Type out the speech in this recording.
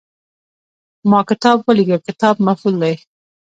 ما کتاب ولېږه – "کتاب" مفعول دی.